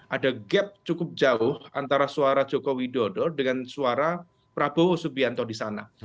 ada gap cukup jauh antara suara joko widodo dengan suara prabowo subianto di sana